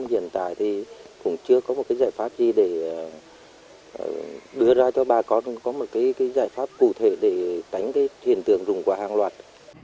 phòng nông nghiệp hiện tại cũng chưa có một giải pháp gì để đưa ra cho bà con có một giải pháp cụ thể để đánh hiện tượng rủng quả hàng loạt